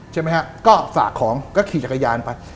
ใช่ไหมฮะก็ฝากของก็ขี่จักรยานไป